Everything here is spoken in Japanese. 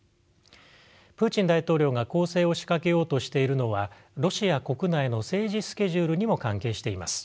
プーチン大統領が攻勢を仕掛けようとしているのはロシア国内の政治スケジュールにも関係しています。